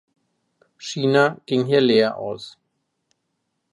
China ging hier leer aus.